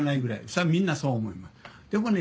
それはみんなそう思いますでもね